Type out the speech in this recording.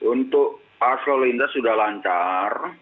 untuk asal lintas sudah lancar